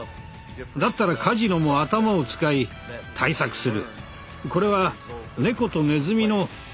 だったらカジノも頭を使い対策する。